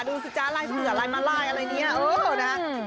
ดูสิจ๊ะลายเสือลายมาลายอะไรเนี่ยเออนะฮะ